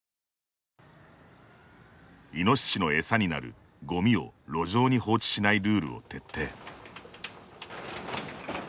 イノシシの餌になるゴミを路上に放置しないルールを徹底。